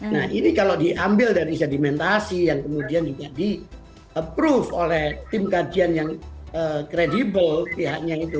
nah ini kalau diambil dari sedimentasi yang kemudian juga di approve oleh tim kajian yang kredibel pihaknya itu